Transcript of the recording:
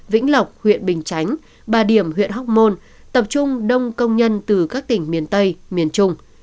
vĩnh lộc huyện bình chánh ba điểm huyện hóc môn tập trung đông công nhân từ các tỉnh miền tây miền trung